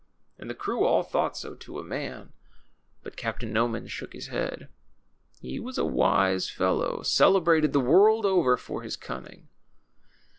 And the creAv all thought so to a man ; but Captain Noman shook his head. He was a Avise fellow, cele brated the Avorld over for his cunning.